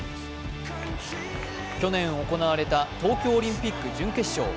去年行われた東京オリンピック準決勝。